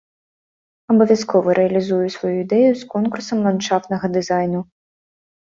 Абавязкова рэалізую сваю ідэю з конкурсам ландшафтнага дызайну.